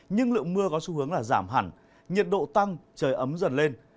nhưng lượng mưa có xu hướng là giảm hẳn nhiệt độ tăng trời ấm dần lên